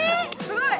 すごい！